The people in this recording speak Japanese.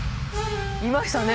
いましたね。